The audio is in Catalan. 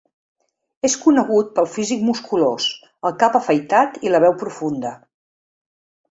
És conegut pel físic musculós, el cap afaitat i la veu profunda.